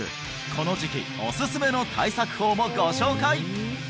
この時期おすすめの対策法もご紹介！